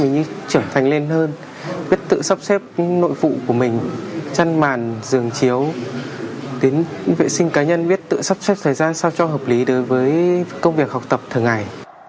mình cảm thấy bản thân mình trở thành lên hơn biết tự sắp xếp nội vụ của mình chăn màn giường chiếu đến vệ sinh cá nhân biết tự sắp xếp thời gian sao cho hợp lý đối với công việc học tập thường ngày